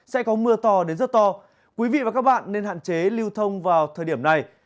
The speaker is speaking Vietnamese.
sẽ có mưa to đến rất to quý vị và các bạn nên hạn chế lưu thông vào thời điểm này